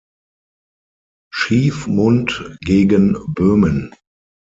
Schiefmund gegen Böhmen.